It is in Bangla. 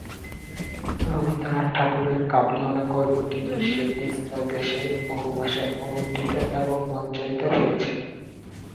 রবীন্দ্রনাথ ঠাকুরের কাবুলিওয়ালা গল্পটি বিশ্বের বিভিন্ন দেশে বহু ভাষায় অনূদিত এবং মঞ্চায়িত হয়েছে।